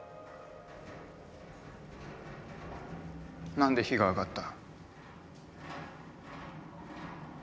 なんで火が上がった？